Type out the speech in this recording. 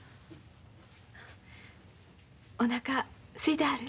おなかすいてはる？